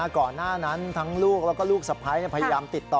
ก่อนหน้านั้นทั้งลูกแล้วก็ลูกสะพ้ายพยายามติดต่อ